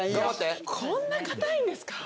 こんな硬いんですか？